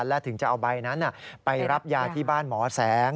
และถึงจะเอาใบนั้นไปรับยาที่บ้านหมอแสง